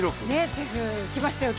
チェフ、来ましたよ